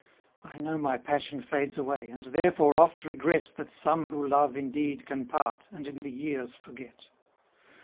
I know my passion fades away, and therefore oft regret That some who love indeed can part and in the years forget.